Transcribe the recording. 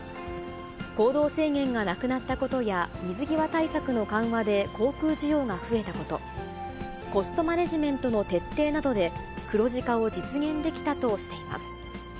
行動制限がなくなったことや水際対策の緩和で航空需要が増えたこと、コストマネジメントの徹底などで、黒字化を実現できたとしています。